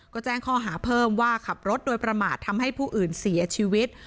ก็แจ้งข้อหาเพิ่มว่าขับรถโดยประมาททำให้ผู้อื่นเสียชีวิต